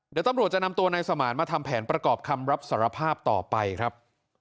เดี๋ยวตำรวจจะนำตัวนายสมานมาทำแผนประกอบคำรับสารภาพต่อไปครับ